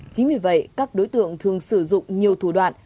chính vì vậy các đối tượng thường sử dụng nhiều thủ đoạn